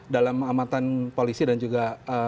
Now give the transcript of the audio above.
dalam amatan polisi dan juga